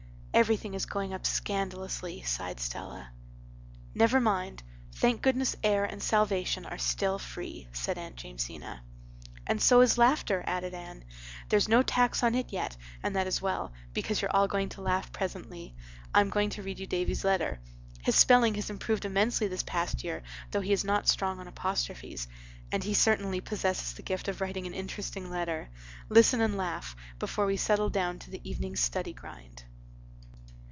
"Everything is going up scandalously," sighed Stella. "Never mind. Thank goodness air and salvation are still free," said Aunt Jamesina. "And so is laughter," added Anne. "There's no tax on it yet and that is well, because you're all going to laugh presently. I'm going to read you Davy's letter. His spelling has improved immensely this past year, though he is not strong on apostrophes, and he certainly possesses the gift of writing an interesting letter. Listen and laugh, before we settle down to the evening's study grind."